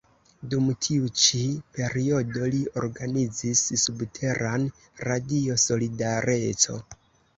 Dum tiu ĉi periodo li organizis subteran Radio Solidareco.